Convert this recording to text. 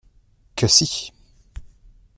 Que si !